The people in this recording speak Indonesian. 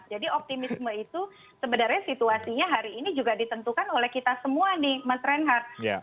optimisme itu sebenarnya situasinya hari ini juga ditentukan oleh kita semua nih mas reinhardt